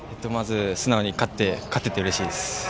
素直に勝ってうれしいです。